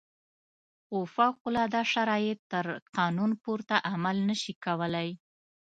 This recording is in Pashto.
خو فوق العاده شرایط تر قانون پورته عمل نه شي کولای.